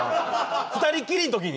２人きりのときに。